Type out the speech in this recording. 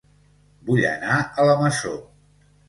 Vull anar a La Masó